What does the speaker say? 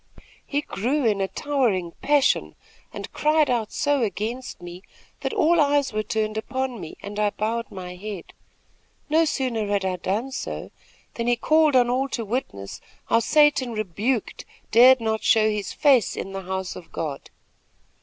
He grew in a towering passion and cried out so against me, that all eyes were turned upon me, and I bowed my head. No sooner had I done so, than he called on all to witness how Satan rebuked dared not show his face in the house of God.